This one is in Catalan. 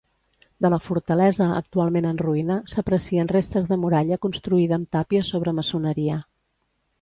De la fortalesa, actualment en ruïna, s'aprecien restes de muralla construïda amb tàpia sobre maçoneria.